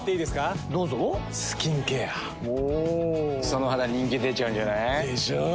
その肌人気出ちゃうんじゃない？でしょう。